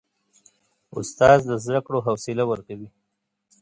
استاد د زده کړو حوصله ورکوي.